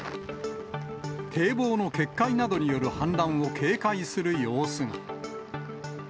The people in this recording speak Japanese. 堤防の決壊などによる氾濫を警戒する様子が。